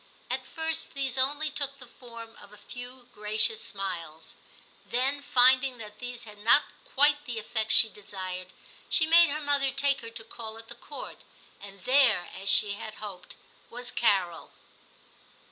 At first these only took the form of a few gracious smiles. Then finding that these had not quite the effect she desired, she made her mother take her to call at the Court, and there, as she had hoped, was Carol.